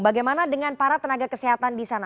bagaimana dengan para tenaga kesehatan di sana